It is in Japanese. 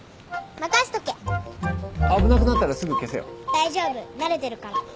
大丈夫慣れてるから。